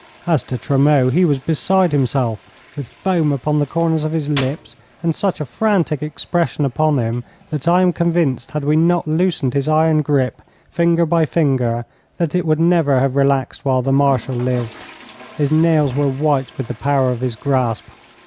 As to Tremeau, he was beside himself, with foam upon the corners of his lips, and such a frantic expression upon him that I am convinced, had we not loosened his iron grip, finger by finger, that it would never have relaxed while the Marshal lived. His nails were white with the power of his grasp.